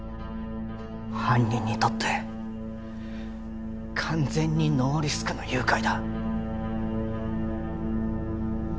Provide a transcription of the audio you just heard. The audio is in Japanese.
犯人にとって完全にノーリスクの誘拐だ